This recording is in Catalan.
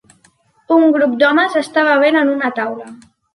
Un grup d'homes està bevent en una taula.